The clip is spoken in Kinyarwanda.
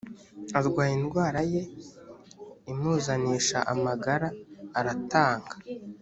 arwaye indwara ye imuzanisha amagara aratanga